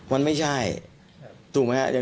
มันไม่ใช่ถูกไหมครับ